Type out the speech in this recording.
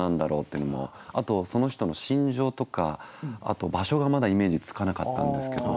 あとその人の心情とかあと場所がまだイメージつかなかったんですけど。